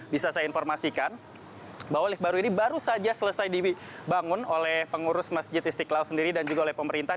bisa saya informasikan bahwa lift baru ini baru saja selesai dibangun oleh pengurus masjid istiqlal sendiri dan juga oleh pemerintah